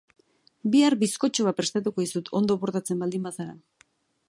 Bihar bizkotxo bat prestatuko dizut ondo portatzen baldin bazara.